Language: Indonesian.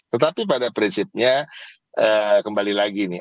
tetapi pada prinsipnya kembali lagi nih